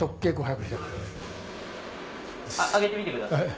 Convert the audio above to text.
上げてみてください。